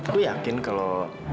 gue yakin kalau